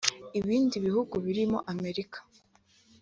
Ibindi bihugu birimo Amerika